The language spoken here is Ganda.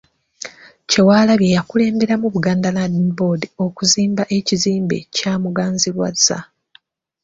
Kyewalabye yakulemberamu Buganda Land Board okuzimba ekizimbe kya Muganzirwazza.